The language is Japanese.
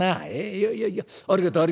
いやいやいやありがとうありがとう。